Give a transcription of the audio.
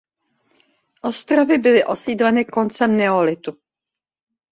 Ostrovy byly osídleny koncem neolitu.